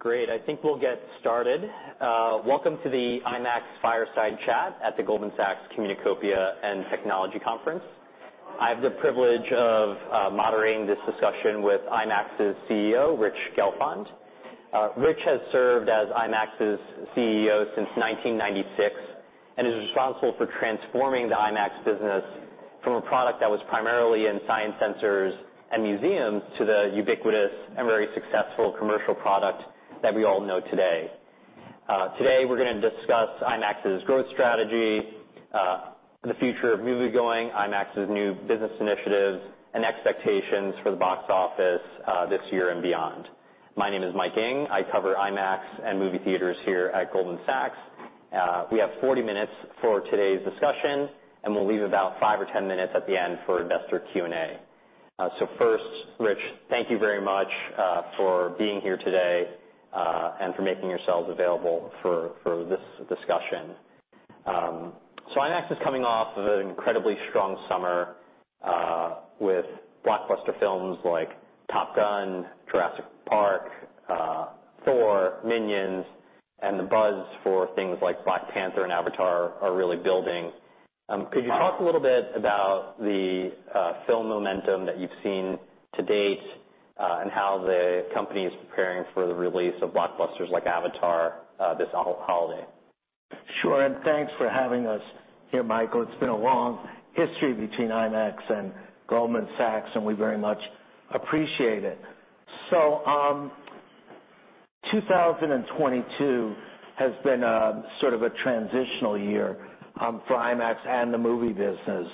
Great. I think we'll get started. Welcome to the IMAX Fireside Chat at the Goldman Sachs Communacopia and Technology Conference. I have the privilege of moderating this discussion with IMAX's CEO, Rich Gelfond. Rich has served as IMAX's CEO since 1996 and is responsible for transforming the IMAX business from a product that was primarily in science centers and museums to the ubiquitous and very successful commercial product that we all know today. Today we're gonna discuss IMAX's growth strategy, the future of movie-going, IMAX's new business initiatives, and expectations for the box office this year and beyond. My name is Mike Ng. I cover IMAX and movie theaters here at Goldman Sachs. We have 40 minutes for today's discussion, and we'll leave about five or 10 minutes at the end for investor Q&A. So first, Rich, thank you very much for being here today, and for making yourselves available for this discussion. So IMAX is coming off of an incredibly strong summer, with blockbuster films like Top Gun, Jurassic Park, Thor, Minions, and the buzz for things like Black Panther and Avatar are really building. Could you talk a little bit about the film momentum that you've seen to date, and how the company is preparing for the release of blockbusters like Avatar this holiday? Sure. And thanks for having us here, Michael. It's been a long history between IMAX and Goldman Sachs, and we very much appreciate it. So, 2022 has been, sort of, a transitional year for IMAX and the movie business.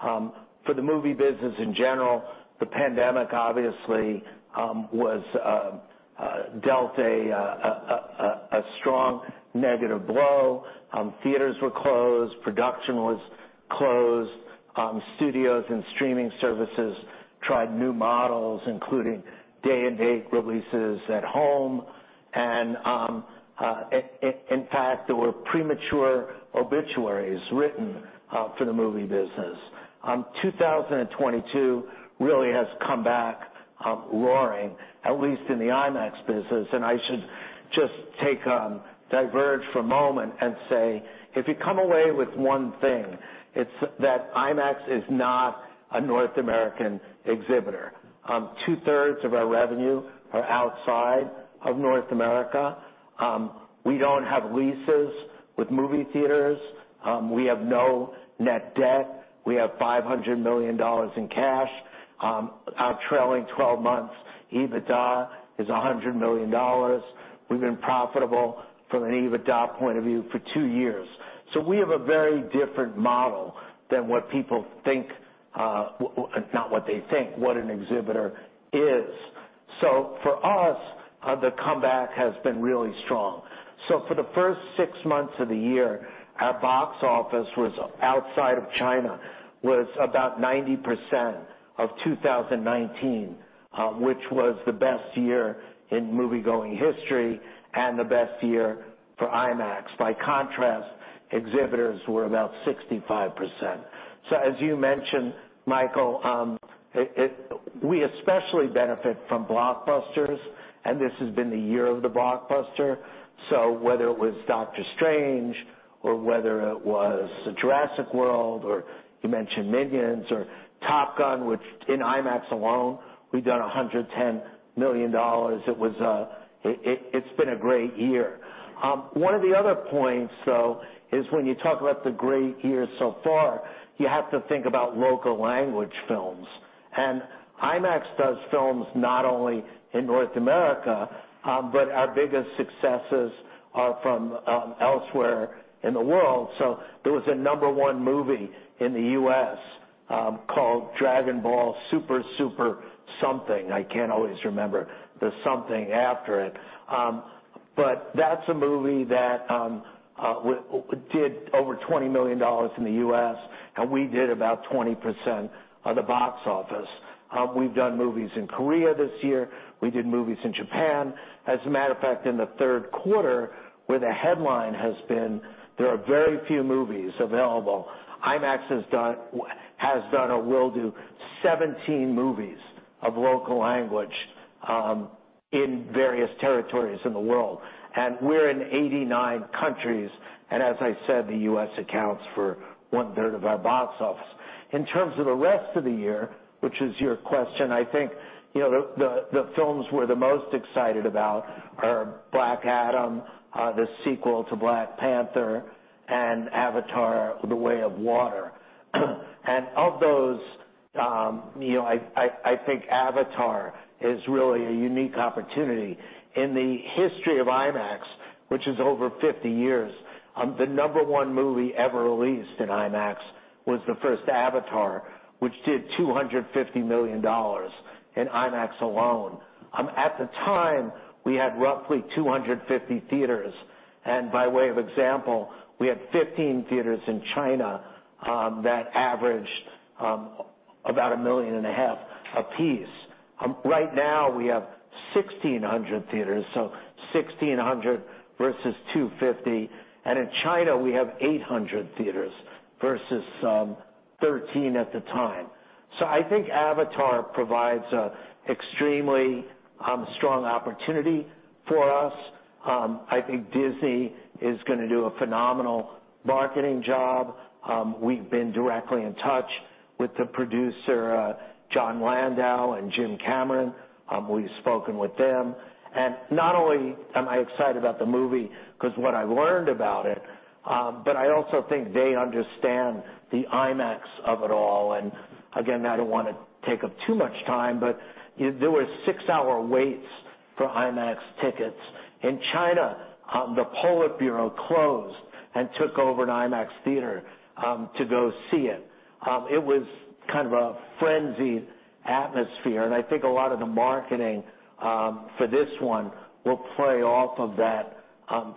For the movie business in general, the pandemic obviously was dealt a strong negative blow. Theaters were closed, production was closed. Studios and streaming services tried new models, including day-and-date releases at home. And, in fact, there were premature obituaries written for the movie business. 2022 really has come back roaring, at least in the IMAX business. And I should just take diverge for a moment and say, if you come away with one thing, it's that IMAX is not a North American exhibitor. Two-thirds of our revenue are outside of North America. We don't have leases with movie theaters. We have no net debt. We have $500 million in cash. Our trailing 12 months EBITDA is $100 million. We've been profitable from an EBITDA point of view for two years. So we have a very different model than what people think, not what they think, what an exhibitor is. So for us, the comeback has been really strong. So for the first six months of the year, our box office outside of China was about 90% of 2019, which was the best year in movie-going history and the best year for IMAX. By contrast, exhibitors were about 65%. So as you mentioned, Michael, we especially benefit from blockbusters, and this has been the year of the blockbuster. So whether it was Doctor Strange or whether it was Jurassic World or you mentioned Minions or Top Gun, which in IMAX alone, we done $110 million. It's been a great year. One of the other points, though, is when you talk about the great year so far, you have to think about local language films. IMAX does films not only in North America, but our biggest successes are from elsewhere in the world. There was a number one movie in the U.S., called Dragon Ball Super: Super Hero. I can't always remember the something after it. But that's a movie that did over $20 million in the U.S., and we did about 20% of the box office. We've done movies in Korea this year. We did movies in Japan. As a matter of fact, in the third quarter, where the headline has been, there are very few movies available. IMAX has done or will do 17 movies of local language, in various territories in the world. And we're in 89 countries. And as I said, the U.S. accounts for one-third of our box office. In terms of the rest of the year, which is your question, I think, you know, the films we're the most excited about are Black Adam, the sequel to Black Panther, and Avatar: The Way of Water. And of those, you know, I think Avatar is really a unique opportunity in the history of IMAX, which is over 50 years. The number one movie ever released in IMAX was the first Avatar, which did $250 million in IMAX alone. At the time, we had roughly 250 theaters. And by way of example, we had 15 theaters in China that averaged about $1.5 million apiece. Right now, we have 1,600 theaters. So 1,600 versus 250. And in China, we have 800 theaters versus 13 at the time. So I think Avatar provides an extremely strong opportunity for us. I think Disney is gonna do a phenomenal marketing job. We've been directly in touch with the producer, Jon Landau and Jim Cameron. We've spoken with them. And not only am I excited about the movie 'cause what I learned about it, but I also think they understand the IMAX of it all. And again, I don't wanna take up too much time, but you know, there were six-hour waits for IMAX tickets. In China, the Politburo closed and took over an IMAX theater to go see it. It was kind of a frenzied atmosphere. And I think a lot of the marketing for this one will play off of that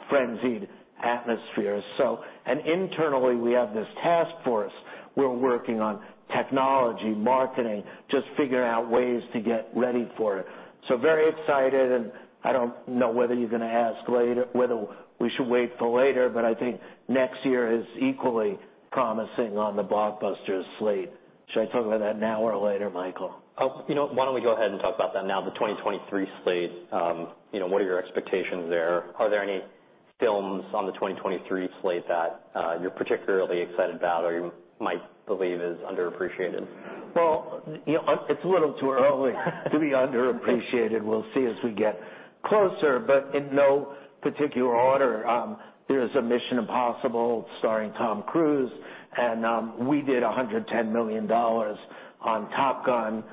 frenzied atmosphere. So and internally, we have this task force we're working on technology, marketing, just figuring out ways to get ready for it. So very excited. And I don't know whether you're gonna ask later whether we should wait for later, but I think next year is equally promising on the blockbuster slate. Should I talk about that now or later, Michael? You know, why don't we go ahead and talk about that now, the 2023 slate. You know, what are your expectations there? Are there any films on the 2023 slate that, you're particularly excited about or you might believe is underappreciated? You know, it's a little too early to be underappreciated. We'll see as we get closer. In no particular order, there's a Mission: Impossible starring Tom Cruise. We did $110 million on Top Gun.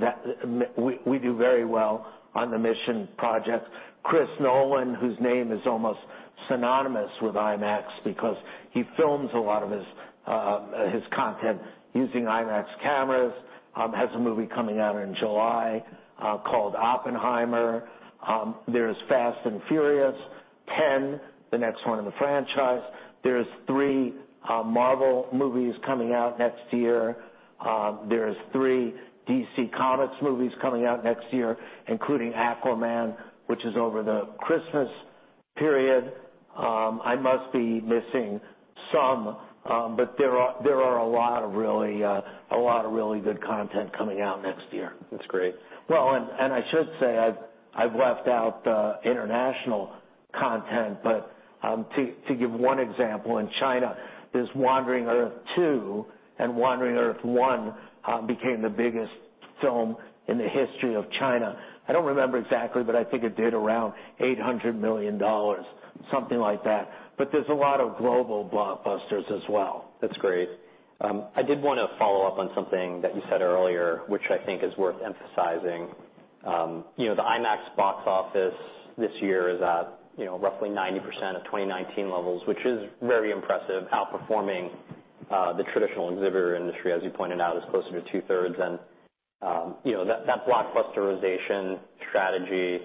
That, we do very well on the Mission project. Chris Nolan, whose name is almost synonymous with IMAX because he films a lot of his content using IMAX cameras, has a movie coming out in July, called Oppenheimer. There's Fast and Furious 10, the next one in the franchise. There's three Marvel movies coming out next year. There's three DC Comics movies coming out next year, including Aquaman, which is over the Christmas period. I must be missing some, but there are a lot of really good content coming out next year. That's great. I should say I've left out the international content, but to give one example, in China, there's The Wandering Earth II, and The Wandering Earth, became the biggest film in the history of China. I don't remember exactly, but I think it did around $800 million, something like that. But there's a lot of global blockbusters as well. That's great. I did wanna follow up on something that you said earlier, which I think is worth emphasizing. You know, the IMAX box office this year is at, you know, roughly 90% of 2019 levels, which is very impressive, outperforming the traditional exhibitor industry, as you pointed out, is closer to two-thirds. And you know, that blockbusterization strategy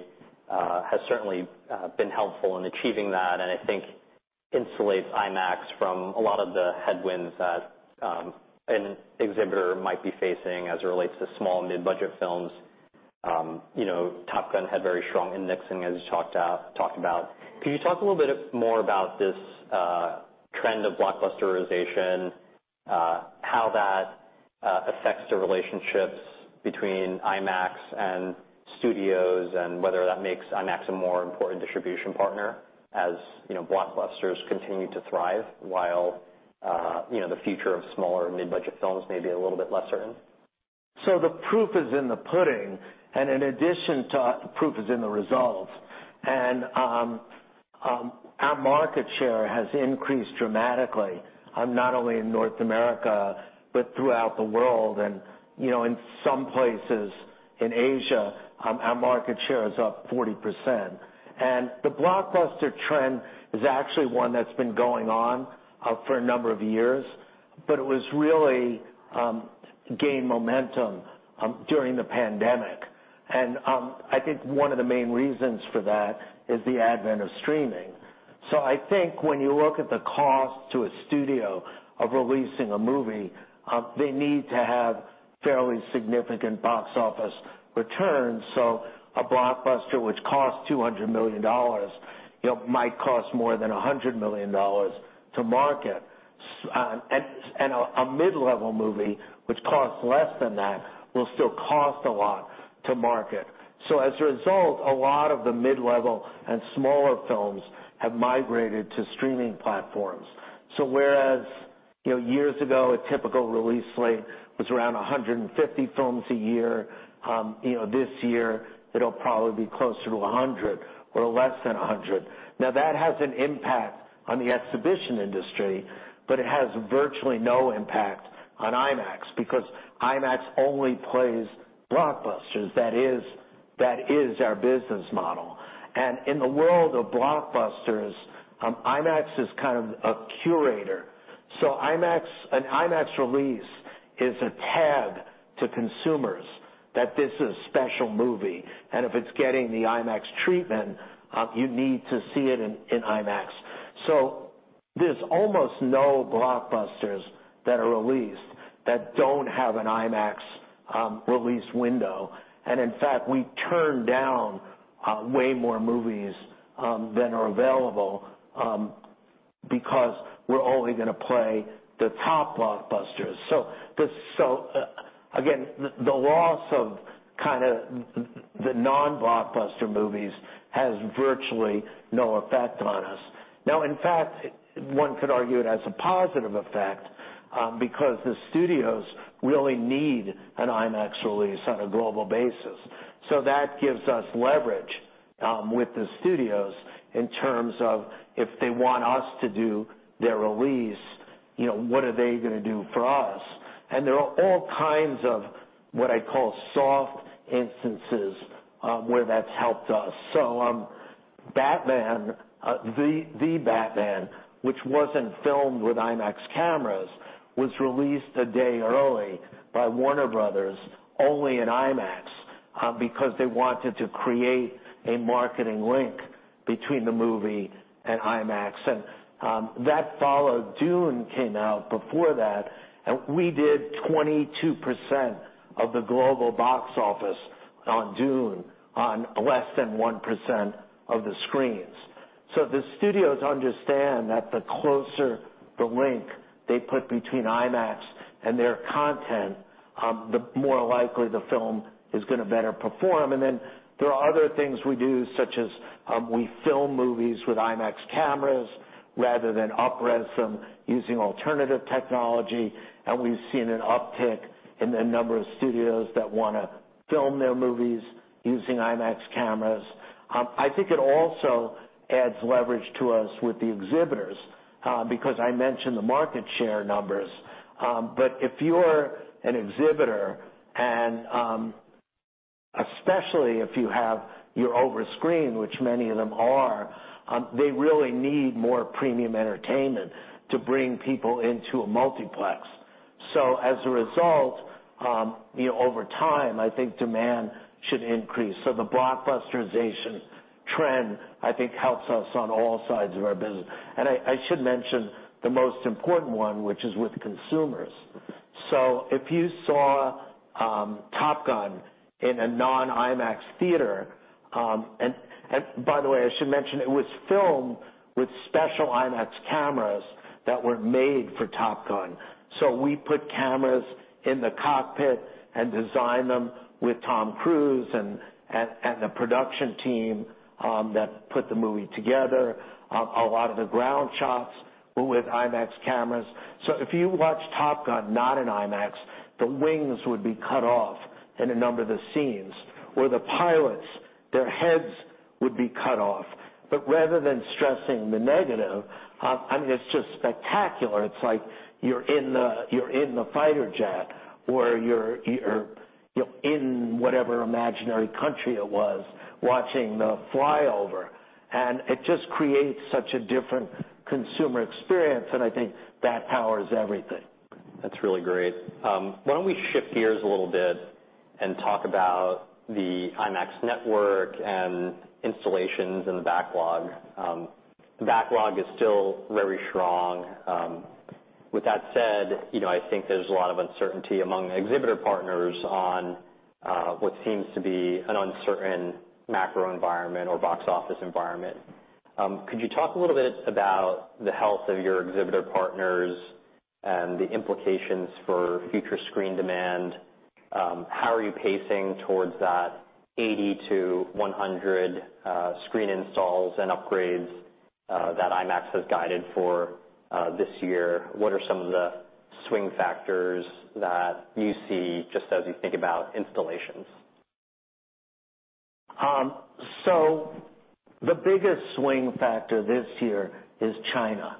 has certainly been helpful in achieving that. And I think insulates IMAX from a lot of the headwinds that an exhibitor might be facing as it relates to small and mid-budget films. You know, Top Gun had very strong indexing, as you talked about. Could you talk a little bit more about this trend of blockbusterization, how that affects the relationships between IMAX and studios, and whether that makes IMAX a more important distribution partner as, you know, blockbusters continue to thrive while, you know, the future of smaller and mid-budget films may be a little bit less certain? So the proof is in the pudding. And in addition to proof is in the results. And, our market share has increased dramatically, not only in North America but throughout the world. And, you know, in some places in Asia, our market share is up 40%. And the blockbuster trend is actually one that's been going on, for a number of years, but it was really gained momentum, during the pandemic. And, I think one of the main reasons for that is the advent of streaming. So I think when you look at the cost to a studio of releasing a movie, they need to have fairly significant box office returns. So a blockbuster which costs $200 million, you know, might cost more than $100 million to market. And a mid-level movie which costs less than that will still cost a lot to market. So as a result, a lot of the mid-level and smaller films have migrated to streaming platforms. So whereas, you know, years ago, a typical release slate was around 150 films a year, you know, this year, it'll probably be closer to 100 or less than 100. Now, that has an impact on the exhibition industry, but it has virtually no impact on IMAX because IMAX only plays blockbusters. That is, that is our business model. And in the world of blockbusters, IMAX is kind of a curator. So IMAX, an IMAX release is a tag to consumers that this is a special movie. And if it's getting the IMAX treatment, you need to see it in, in IMAX. So there's almost no blockbusters that are released that don't have an IMAX, release window. In fact, we turn down way more movies than are available, because we're only gonna play the top blockbusters. So, again, the loss of kinda the non-blockbuster movies has virtually no effect on us. Now, in fact, one could argue it has a positive effect, because the studios really need an IMAX release on a global basis. So that gives us leverage with the studios in terms of if they want us to do their release, you know, what are they gonna do for us? And there are all kinds of what I call soft instances where that's helped us. So, The Batman, which wasn't filmed with IMAX cameras, was released a day early by Warner Bros. only in IMAX, because they wanted to create a marketing link between the movie and IMAX. And that followed. Dune came out before that. We did 22% of the global box office on Dune on less than 1% of the screens. The studios understand that the closer the link they put between IMAX and their content, the more likely the film is gonna better perform. Then there are other things we do, such as we film movies with IMAX cameras rather than up-res them using alternative technology. We've seen an uptick in the number of studios that wanna film their movies using IMAX cameras. I think it also adds leverage to us with the exhibitors, because I mentioned the market share numbers, but if you're an exhibitor and especially if you have your over screen, which many of them are, they really need more premium entertainment to bring people into a multiplex. As a result, you know, over time, I think demand should increase. So the blockbusterization trend, I think, helps us on all sides of our business. And I should mention the most important one, which is with consumers. So if you saw Top Gun in a non-IMAX theater, and by the way, I should mention it was filmed with special IMAX cameras that were made for Top Gun. So we put cameras in the cockpit and designed them with Tom Cruise and the production team that put the movie together. A lot of the ground shots were with IMAX cameras. So if you watch Top Gun not in IMAX, the wings would be cut off in a number of the scenes, or the pilots, their heads would be cut off. But rather than stressing the negative, I mean, it's just spectacular. It's like you're in the fighter jet or you're, you know, in whatever imaginary country it was watching the flyover. And it just creates such a different consumer experience. And I think that powers everything. That's really great. Why don't we shift gears a little bit and talk about the IMAX Network and installations and the backlog? The backlog is still very strong. With that said, you know, I think there's a lot of uncertainty among exhibitor partners on what seems to be an uncertain macro environment or box office environment. Could you talk a little bit about the health of your exhibitor partners and the implications for future screen demand? How are you pacing towards that 80-100 screen installs and upgrades that IMAX has guided for this year? What are some of the swing factors that you see just as you think about installations? So the biggest swing factor this year is China.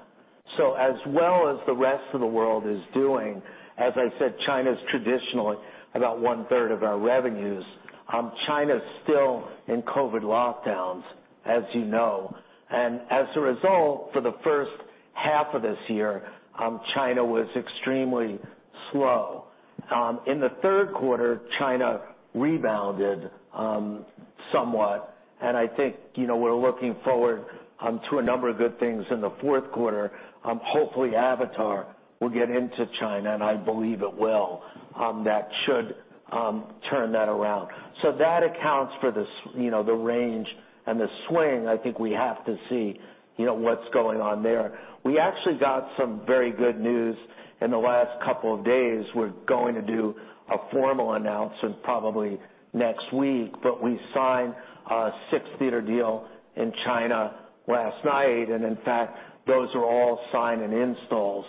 So as well as the rest of the world is doing, as I said, China's traditionally about one-third of our revenues. China's still in COVID lockdowns, as you know. And as a result, for the first half of this year, China was extremely slow. In the third quarter, China rebounded, somewhat. And I think, you know, we're looking forward to a number of good things in the fourth quarter. Hopefully, Avatar will get into China, and I believe it will, that should turn that around. So that accounts for the, you know, the range and the swing. I think we have to see, you know, what's going on there. We actually got some very good news in the last couple of days. We're going to do a formal announcement probably next week, but we signed a six-theater deal in China last night. And in fact, those are all signed and installed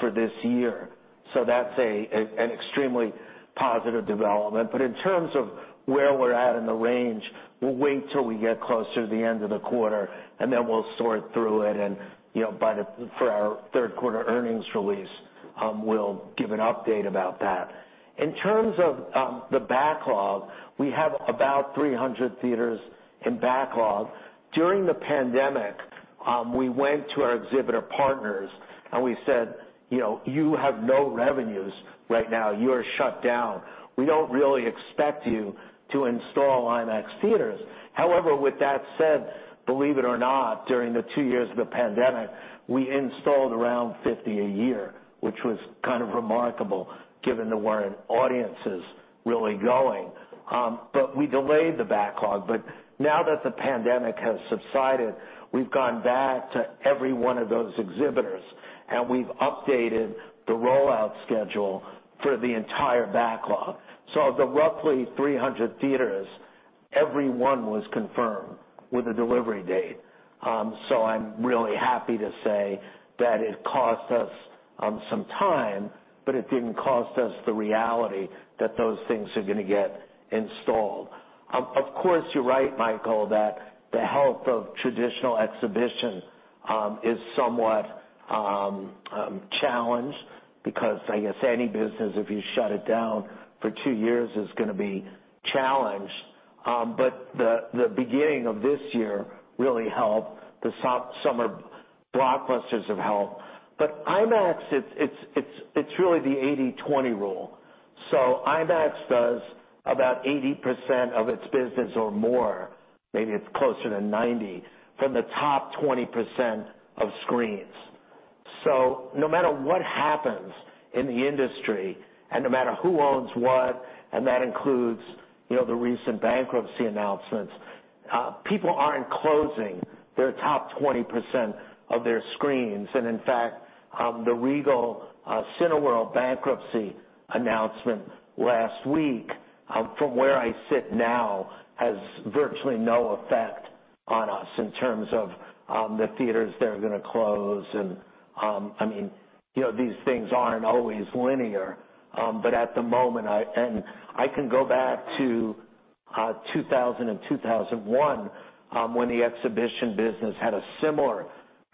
for this year. So that's an extremely positive development. But in terms of where we're at in the range, we'll wait till we get closer to the end of the quarter, and then we'll sort through it. And, you know, by the for our third-quarter earnings release, we'll give an update about that. In terms of the backlog, we have about 300 theaters in backlog. During the pandemic, we went to our exhibitor partners and we said, you know, you have no revenues right now. You are shut down. We don't really expect you to install IMAX theaters. However, with that said, believe it or not, during the two years of the pandemic, we installed around 50 a year, which was kind of remarkable given to where audiences really going. But we delayed the backlog. But now that the pandemic has subsided, we've gone back to every one of those exhibitors, and we've updated the rollout schedule for the entire backlog. So of the roughly 300 theaters, every one was confirmed with a delivery date. So I'm really happy to say that it cost us some time, but it didn't cost us the reality that those things are gonna get installed. Of course, you're right, Michael, that the health of traditional exhibition is somewhat challenged because, I guess, any business, if you shut it down for two years, is gonna be challenged. But the beginning of this year really helped. The summer blockbusters have helped. But IMAX, it's really the 80/20 rule. So IMAX does about 80% of its business or more, maybe it's closer to 90%, from the top 20% of screens. So no matter what happens in the industry and no matter who owns what, and that includes, you know, the recent bankruptcy announcements, people aren't closing their top 20% of their screens. And in fact, the Regal, Cineworld bankruptcy announcement last week, from where I sit now, has virtually no effect on us in terms of the theaters they're gonna close. And, I mean, you know, these things aren't always linear. But at the moment, I can go back to 2000 and 2001, when the exhibition business had a similar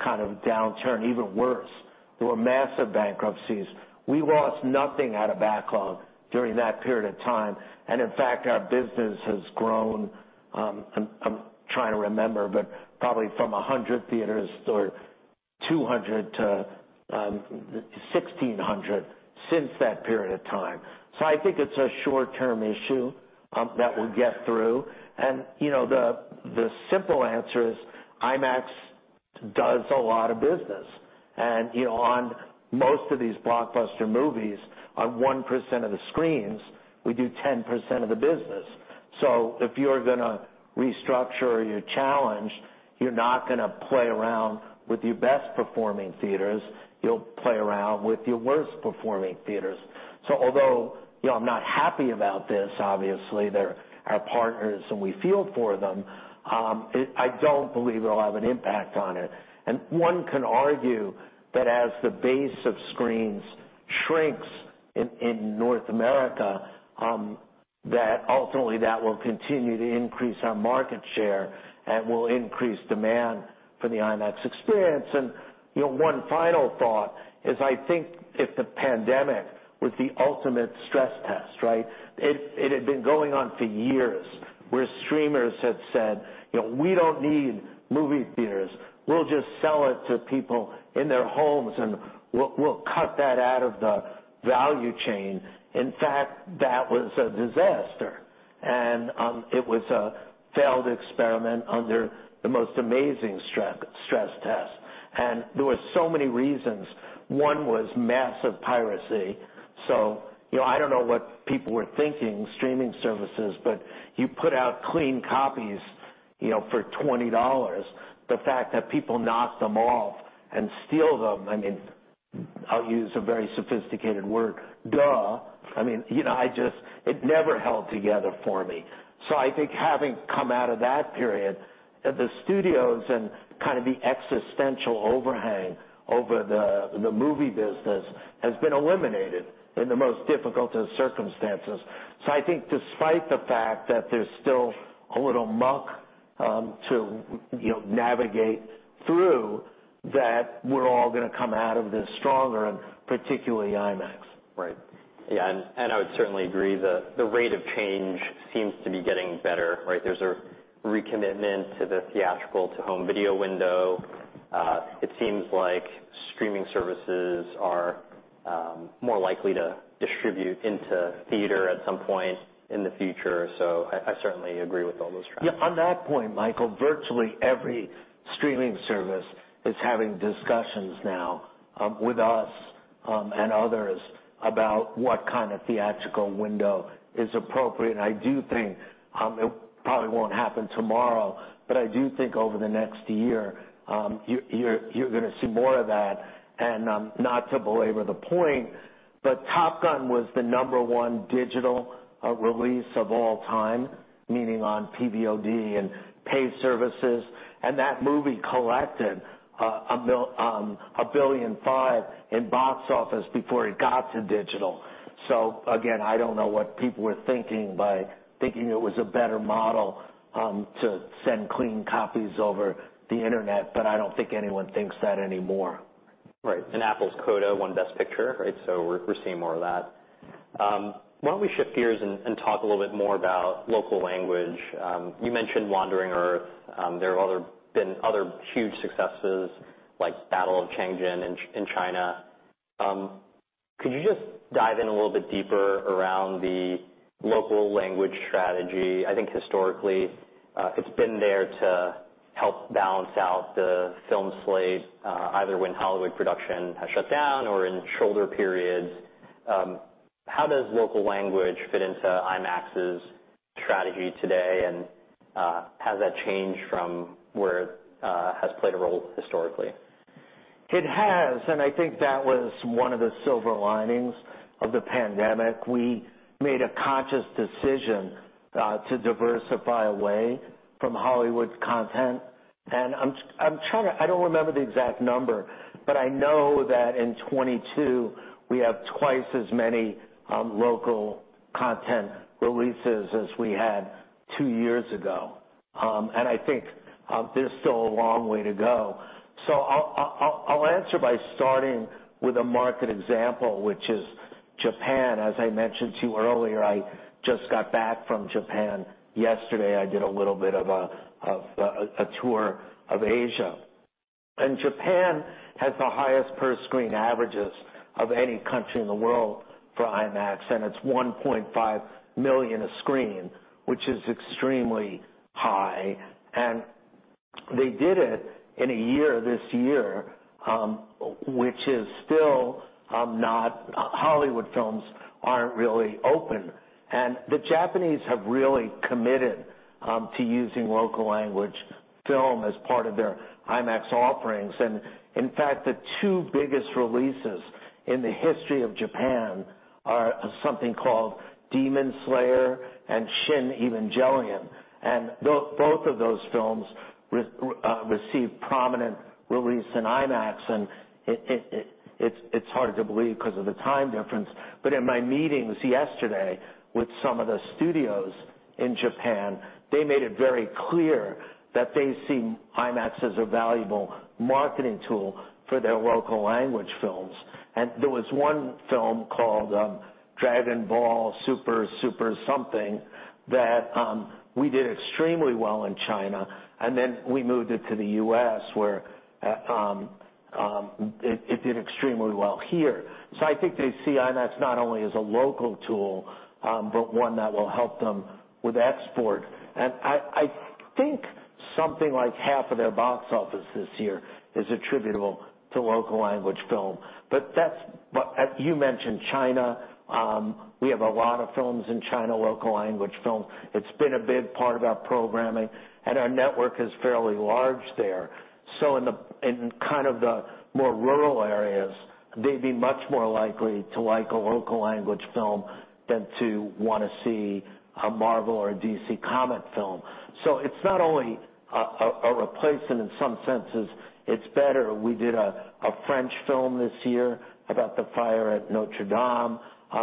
kind of downturn, even worse. There were massive bankruptcies. We lost nothing out of backlog during that period of time. In fact, our business has grown. I'm trying to remember, but probably from 100 theaters or 200 to 1,600 since that period of time. So I think it's a short-term issue that we'll get through. You know, the simple answer is IMAX does a lot of business. You know, on most of these blockbuster movies, on 1% of the screens, we do 10% of the business. So if you're gonna restructure or you're challenged, you're not gonna play around with your best-performing theaters. You'll play around with your worst-performing theaters. So although, you know, I'm not happy about this, obviously, there are partners, and we feel for them. It, I don't believe it'll have an impact on it. And one can argue that as the base of screens shrinks in North America, that ultimately that will continue to increase our market share and will increase demand for the IMAX experience. And, you know, one final thought is I think if the pandemic was the ultimate stress test, right? It, it had been going on for years where streamers had said, you know, we don't need movie theaters. We'll just sell it to people in their homes, and we'll cut that out of the value chain. In fact, that was a disaster. And, it was a failed experiment under the most amazing stress test. And there were so many reasons. One was massive piracy. So, you know, I don't know what people were thinking, streaming services, but you put out clean copies, you know, for $20. The fact that people knocked them off and steal them, I mean, I'll use a very sophisticated word, duh. I mean, you know, I just it never held together for me. So I think having come out of that period, the studios and kind of the existential overhang over the movie business has been eliminated in the most difficult of circumstances. So I think despite the fact that there's still a little muck to, you know, navigate through, that we're all gonna come out of this stronger, and particularly IMAX. Right. Yeah. I would certainly agree the rate of change seems to be getting better, right? There's a recommitment to the theatrical-to-home video window. It seems like streaming services are more likely to distribute into theater at some point in the future. So I certainly agree with all those trends. Yeah. On that point, Michael, virtually every streaming service is having discussions now, with us, and others about what kind of theatrical window is appropriate. I do think it probably won't happen tomorrow, but I do think over the next year, you're gonna see more of that. And, not to belabor the point, but Top Gun was the number one digital release of all time, meaning on PVOD and paid services. And that movie collected $1.5 billion in box office before it got to digital. So again, I don't know what people were thinking by thinking it was a better model to send clean copies over the internet, but I don't think anyone thinks that anymore. Right. And Apple's CODA won Best Picture, right? So we're, we're seeing more of that. Why don't we shift gears and, and talk a little bit more about local language? You mentioned Wandering Earth. There have been other huge successes like The Battle at Lake Changjin in China. Could you just dive in a little bit deeper around the local language strategy? I think historically, it's been there to help balance out the film slate, either when Hollywood production has shut down or in shoulder periods. How does local language fit into IMAX's strategy today? And has that changed from where it has played a role historically? It has. And I think that was one of the silver linings of the pandemic. We made a conscious decision to diversify away from Hollywood content. And I'm trying to, I don't remember the exact number, but I know that in 2022, we have twice as many local content releases as we had two years ago. And I think there's still a long way to go. So I'll answer by starting with a market example, which is Japan. As I mentioned to you earlier, I just got back from Japan yesterday. I did a little bit of a tour of Asia. And Japan has the highest per-screen averages of any country in the world for IMAX, and it's $1.5 million a screen, which is extremely high. And they did it in a year this year, which is still not. Hollywood films aren't really open. And the Japanese have really committed to using local language film as part of their IMAX offerings. And in fact, the two biggest releases in the history of Japan are something called Demon Slayer and Shin Evangelion. And those films received prominent release in IMAX. And it's hard to believe 'cause of the time difference. But in my meetings yesterday with some of the studios in Japan, they made it very clear that they see IMAX as a valuable marketing tool for their local language films. And there was one film called Dragon Ball Super: Super Hero that we did extremely well in China, and then we moved it to the U.S. where it did extremely well here. So I think they see IMAX not only as a local tool, but one that will help them with export. And I think something like half of their box office this year is attributable to local language film. But that's what you mentioned China. We have a lot of films in China, local language film. It's been a big part of our programming, and our network is fairly large there. So in kind of the more rural areas, they'd be much more likely to like a local language film than to wanna see a Marvel or a DC comic film. So it's not only a replacement in some senses. It's better. We did a French film this year about the fire at Notre Dame.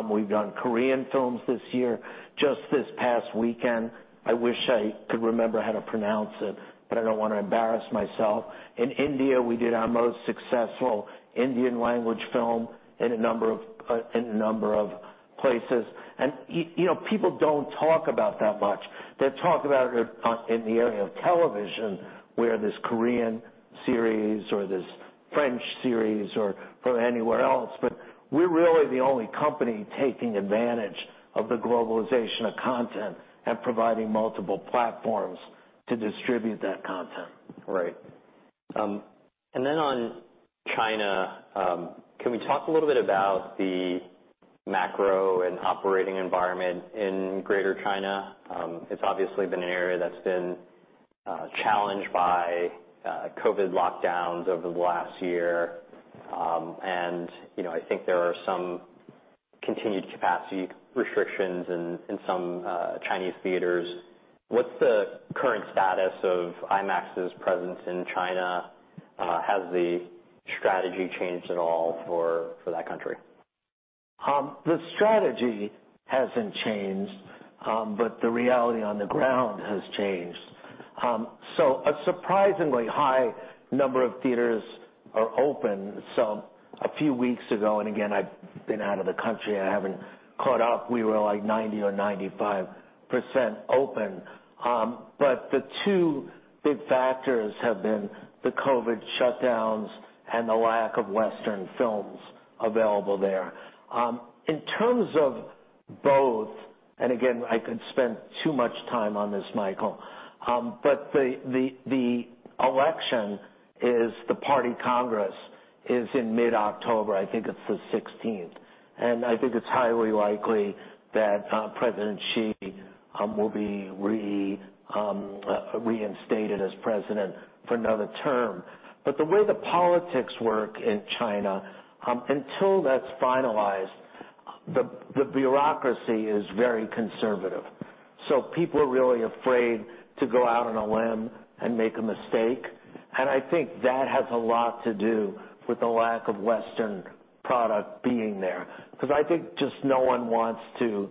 We've done Korean films this year. Just this past weekend, I wish I could remember how to pronounce it, but I don't wanna embarrass myself. In India, we did our most successful Indian language film in a number of places, and you know, people don't talk about that much. They talk about it in the area of television where this Korean series or this French series or from anywhere else. But we're really the only company taking advantage of the globalization of content and providing multiple platforms to distribute that content. Right. And then on China, can we talk a little bit about the macro and operating environment in Greater China? It's obviously been an area that's been challenged by COVID lockdowns over the last year. And, you know, I think there are some continued capacity restrictions in some Chinese theaters. What's the current status of IMAX's presence in China? Has the strategy changed at all for that country? The strategy hasn't changed, but the reality on the ground has changed, so a surprisingly high number of theaters are open. So a few weeks ago, and again, I've been out of the country. I haven't caught up. We were like 90% or 95% open. But the two big factors have been the COVID shutdowns and the lack of Western films available there. In terms of both, and again, I could spend too much time on this, Michael, but the election is the Party Congress is in mid-October. I think it's the 16th. And I think it's highly likely that President Xi will be reinstated as president for another term. But the way the politics work in China, until that's finalized, the bureaucracy is very conservative. So people are really afraid to go out on a limb and make a mistake. And I think that has a lot to do with the lack of Western product being there. 'Cause I think just no one wants to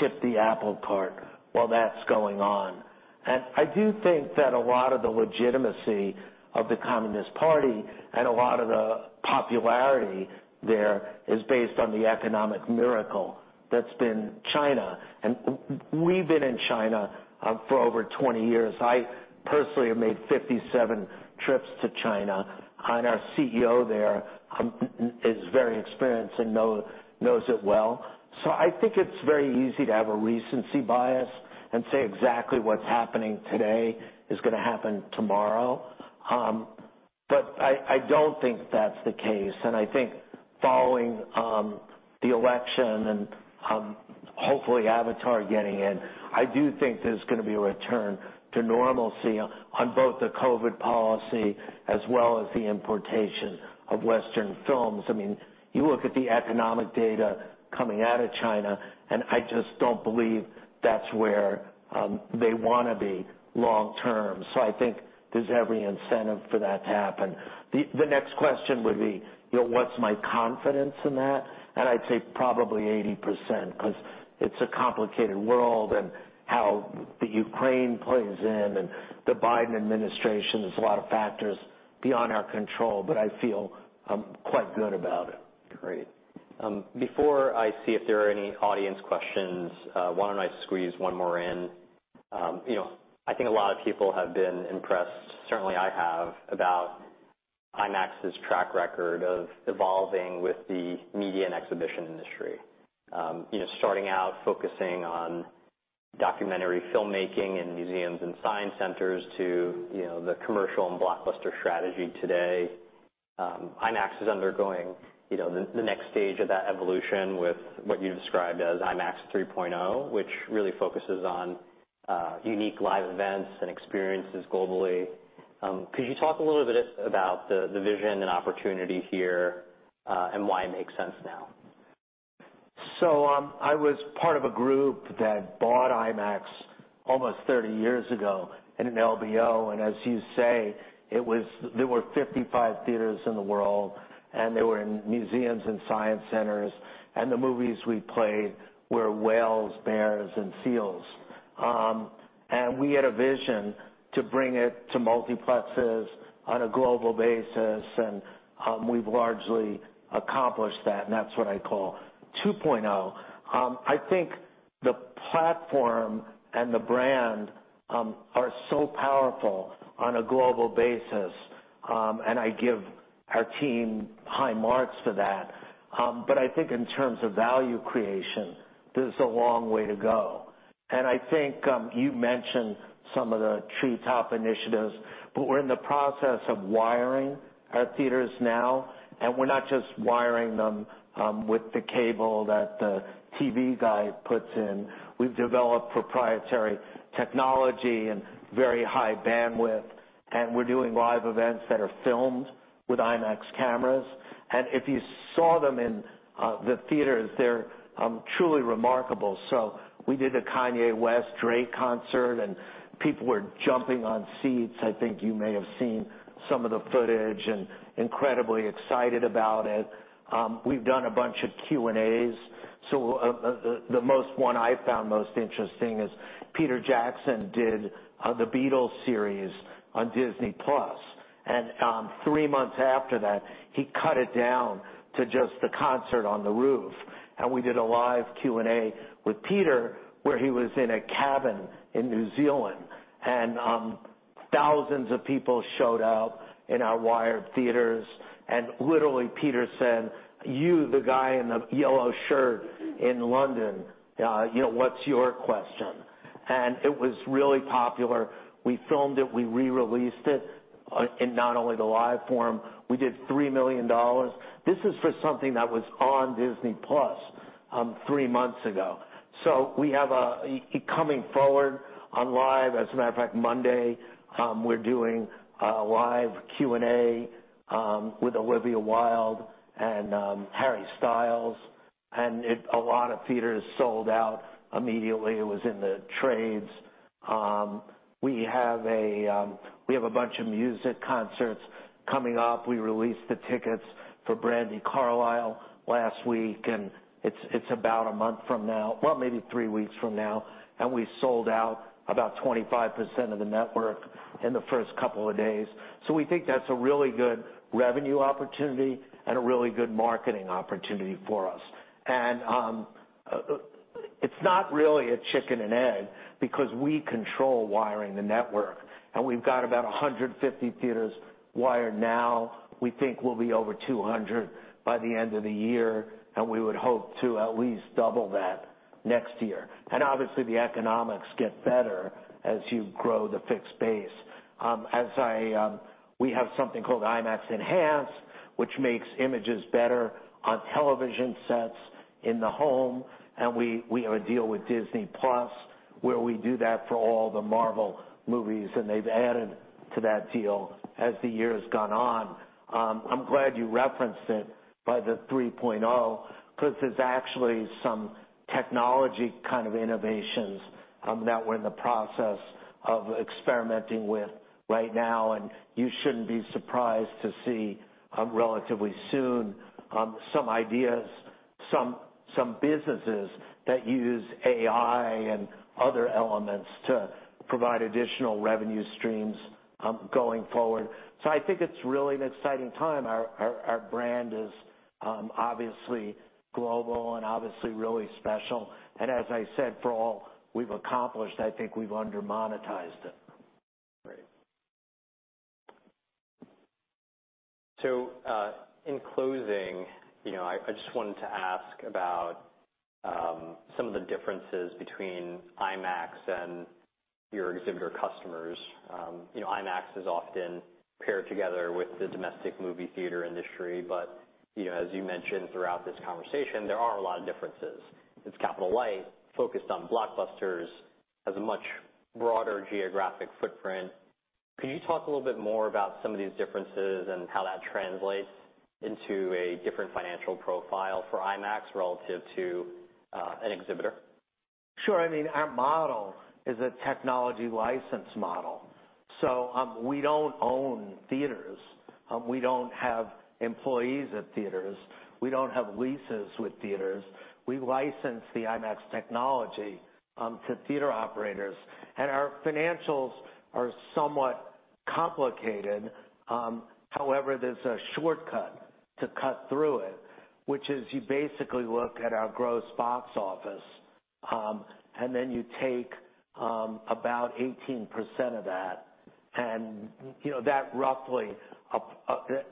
tip the apple cart while that's going on. And I do think that a lot of the legitimacy of the Communist Party and a lot of the popularity there is based on the economic miracle that's been China. And we've been in China for over 20 years. I personally have made 57 trips to China. And our CEO there is very experienced and knows it well. So I think it's very easy to have a recency bias and say exactly what's happening today is gonna happen tomorrow. But I don't think that's the case. I think following the election and hopefully Avatar getting in, I do think there's gonna be a return to normalcy on both the COVID policy as well as the importation of Western films. I mean, you look at the economic data coming out of China, and I just don't believe that's where they wanna be long-term. So I think there's every incentive for that to happen. The next question would be, you know, what's my confidence in that? I'd say probably 80% 'cause it's a complicated world and how the Ukraine plays in and the Biden administration. There's a lot of factors beyond our control, but I feel quite good about it. Great. Before I see if there are any audience questions, why don't I squeeze one more in? You know, I think a lot of people have been impressed, certainly I have, about IMAX's track record of evolving with the media and exhibition industry. You know, starting out focusing on documentary filmmaking in museums and science centers to, you know, the commercial and blockbuster strategy today. IMAX is undergoing, you know, the next stage of that evolution with what you described as IMAX 3.0, which really focuses on unique live events and experiences globally. Could you talk a little bit about the vision and opportunity here, and why it makes sense now? I was part of a group that bought IMAX almost 30 years ago in an LBO. And as you say, it was there were 55 theaters in the world, and they were in museums and science centers. And the movies we played were Whales, Bears, and Seals, and we had a vision to bring it to multiplexes on a global basis. And we've largely accomplished that. And that's what I call 2.0. I think the platform and the brand are so powerful on a global basis, and I give our team high marks for that. But I think in terms of value creation, there's a long way to go. And I think you mentioned some of the three top initiatives, but we're in the process of wiring our theaters now. And we're not just wiring them with the cable that the TV guy puts in. We've developed proprietary technology and very high bandwidth, and we're doing live events that are filmed with IMAX cameras, and if you saw them in the theaters, they're truly remarkable, so we did a Kanye West-Drake concert, and people were jumping on seats. I think you may have seen some of the footage and incredibly excited about it. We've done a bunch of Q&As, so the one I found most interesting is Peter Jackson did the Beatles series on Disney+, and three months after that, he cut it down to just the concert on the roof, and we did a live Q&A with Peter where he was in a cabin in New Zealand, and thousands of people showed up in our wired theaters. Literally, Peter said, "You, the guy in the yellow shirt in London, you know, what's your question?" And it was really popular. We filmed it. We re-released it in not only the live form. We did $3 million. This is for something that was on Disney+, three months ago. So we have a lot coming forward on live. As a matter of fact, Monday, we're doing a live Q&A with Olivia Wilde and Harry Styles. And a lot of theaters sold out immediately. It was in the trades. We have a bunch of music concerts coming up. We released the tickets for Brandi Carlile last week. And it's about a month from now, well, maybe three weeks from now. And we sold out about 25% of the network in the first couple of days. So we think that's a really good revenue opportunity and a really good marketing opportunity for us. And it's not really a chicken and egg because we control wiring the network. And we've got about 150 theaters wired now. We think we'll be over 200 by the end of the year. And we would hope to at least double that next year. And obviously, the economics get better as you grow the fixed base. We have something called IMAX Enhanced, which makes images better on television sets in the home. And we have a deal with Disney+ where we do that for all the Marvel movies. And they've added to that deal as the year has gone on. I'm glad you referenced it by the 3.0 'cause there's actually some technology kind of innovations that we're in the process of experimenting with right now. You shouldn't be surprised to see, relatively soon, some ideas, some businesses that use AI and other elements to provide additional revenue streams, going forward. I think it's really an exciting time. Our brand is obviously global and obviously really special. As I said, for all we've accomplished, I think we've undermonetized it. Great. So, in closing, you know, I just wanted to ask about some of the differences between IMAX and your exhibitor customers. You know, IMAX is often paired together with the domestic movie theater industry. But, you know, as you mentioned throughout this conversation, there are a lot of differences. It's capital light, focused on blockbusters, has a much broader geographic footprint. Could you talk a little bit more about some of these differences and how that translates into a different financial profile for IMAX relative to an exhibitor? Sure. I mean, our model is a technology license model. So, we don't own theaters. We don't have employees at theaters. We don't have leases with theaters. We license the IMAX technology to theater operators. And our financials are somewhat complicated. However, there's a shortcut to cut through it, which is you basically look at our gross box office, and then you take about 18% of that. And, you know, that roughly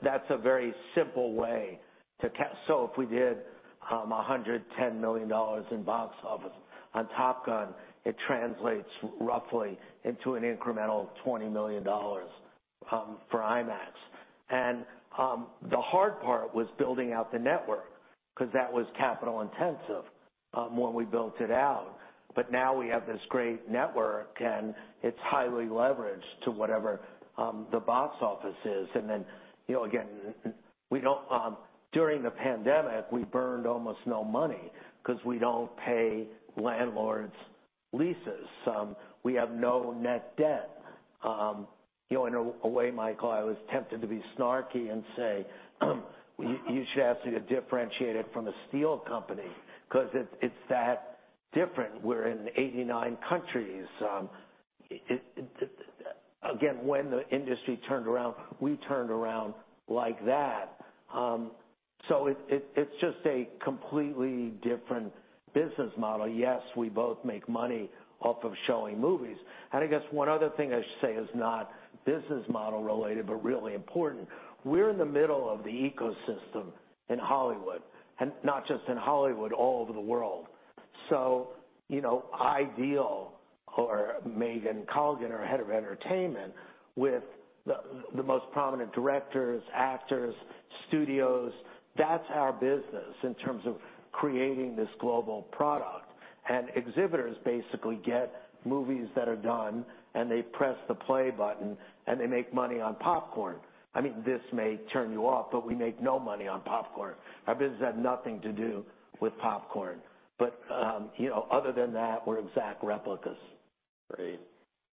that's a very simple way to cut. So if we did $110 million in box office on Top Gun, it translates roughly into an incremental $20 million for IMAX. And, the hard part was building out the network 'cause that was capital intensive, when we built it out. But now we have this great network, and it's highly leveraged to whatever the box office is. And then, you know, again, we don't. During the pandemic, we burned almost no money 'cause we don't pay landlords leases. We have no net debt. You know, in a way, Michael, I was tempted to be snarky and say, "You should actually differentiate it from a steel company 'cause it's that different. We're in 89 countries." Again, when the industry turned around, we turned around like that. So it, it's just a completely different business model. Yes, we both make money off of showing movies. And I guess one other thing I should say is not business model related, but really important. We're in the middle of the ecosystem in Hollywood, and not just in Hollywood, all over the world. You know, we deal with Megan Colligan, our head of entertainment, with the most prominent directors, actors, studios. That's our business in terms of creating this global product. Exhibitors basically get movies that are done, and they press the play button, and they make money on popcorn. I mean, this may turn you off, but we make no money on popcorn. Our business has nothing to do with popcorn. But you know, other than that, we're exact replicas. Great.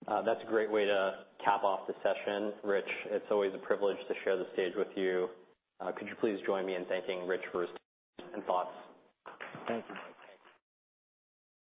That's a great way to cap off the session, Rich. It's always a privilege to share the stage with you. Could you please join me in thanking Rich for his talks and thoughts? Thank you.